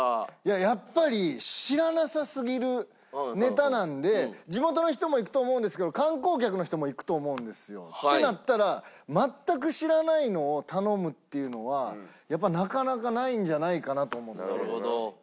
やっぱり知らなさすぎるネタなんで地元の人も行くと思うんですけど観光客の人も行くと思うんですよ。ってなったら全く知らないのを頼むっていうのはやっぱなかなかないんじゃないかなと思って。